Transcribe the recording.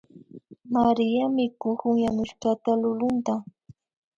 María mikukun yanushka lulunta